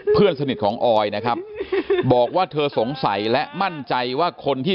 เพื่อนสนิทของออยนะครับบอกว่าเธอสงสัยและมั่นใจว่าคนที่